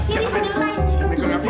jangan main jangan main api